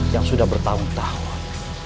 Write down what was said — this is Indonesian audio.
yang sudah bertahun tahun